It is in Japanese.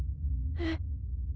えっ！？